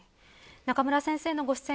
中村先生のご出演